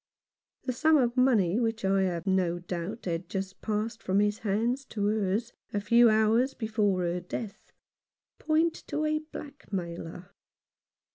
The sum of money which I have no doubt had just passed from his hands to hers a few hours before her death, point to a blackmailer.